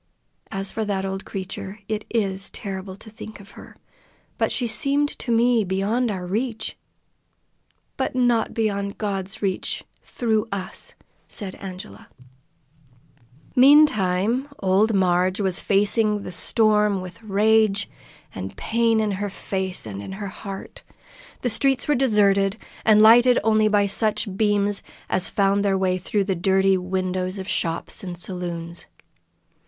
As for that old creature, it is terrible to think of her, but she seemed to me beyond our reach." "But not beyond God's reach through us!" said Angela. Meantime old Marg was facing the storm with rage and pain in her face and in her heart. The streets were deserted, and lighted only by such beams as found their way through the dirty windows of shops and saloons.